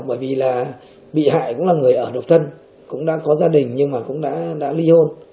bởi vì là bị hại cũng là người ở độc thân cũng đã có gia đình nhưng mà cũng đã ly hôn